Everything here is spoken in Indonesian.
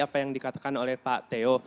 apa yang dikatakan oleh pak teo